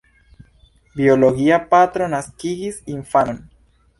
Biologia patro naskigis infanon.